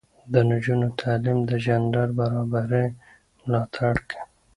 د نجونو تعلیم د جنډر برابري ملاتړ کوي.